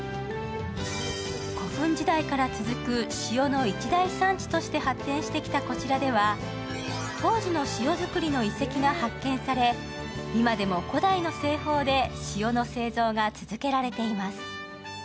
古墳時代から続く塩の一大産地として発展してきたこちらでは当時の塩作りの遺跡が発見され、今でも古代の製法で塩の製造が続けられています。